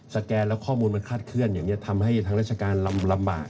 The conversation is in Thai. แกนแล้วข้อมูลมันคาดเคลื่อนอย่างนี้ทำให้ทางราชการลำบาก